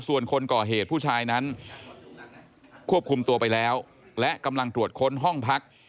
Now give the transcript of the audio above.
ส่วนคนก่อเหตุผู้ชายนั้นควบคุมตัวไปแล้วและกำลังตรวจค้นห้องพัก